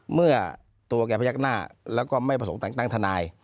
เมื่อตัวแก่พระยักษณะแล้วก็ไม่ประสงค์ต่างทนาย